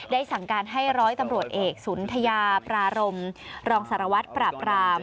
สั่งการให้ร้อยตำรวจเอกสุนทยาปรารมรองสารวัตรปราบราม